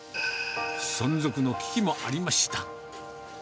存続の危機もありました。